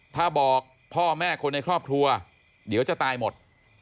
ถ้าบอกพ่อแม่คนในครอบครัวเดี๋ยวจะตายหมด